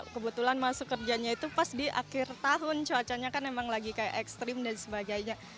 kebetulan masuk kerjanya itu pas di akhir tahun cuacanya kan emang lagi kayak ekstrim dan sebagainya